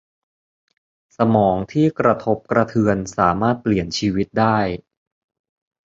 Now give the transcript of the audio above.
สมองที่กระทบกระเทือนสามารถเปลี่ยนชีวิตได้